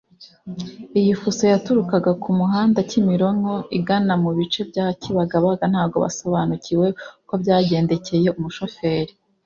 iyi Fusso yaturukaga ku muhanda Kimironko igana mu bice bya Kibagabaga ntago basobanukiwe uko byagendekeye umushoferi